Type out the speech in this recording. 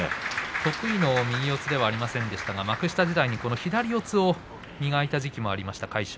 得意の右四つではありませんでしたが幕下時代に左四つを磨いた時期もありました、魁勝。